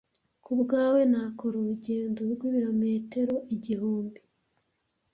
Kubwawe Nakora urugendo rw'ibirometero igihumbi ...